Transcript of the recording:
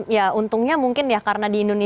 ya untungnya mungkin ya karena di indonesia